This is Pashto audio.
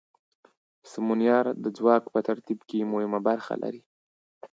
سمونیار د ځواک په ترتیب کې مهمه برخه لري.